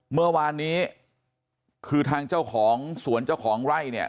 เมื่อวานนี้คือทางเจ้าของสวนเจ้าของไร่เนี่ย